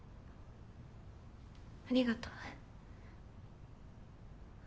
ありがとう。